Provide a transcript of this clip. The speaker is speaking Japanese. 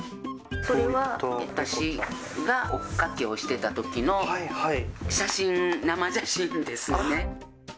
これは私が追っかけをしてたときの写真、生写真ですね。